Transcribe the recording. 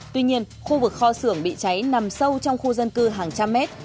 tuy nhiên khu vực kho xưởng bị cháy nằm sâu trong khu dân cư hàng trăm mét